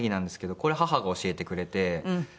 これ母が教えてくれて。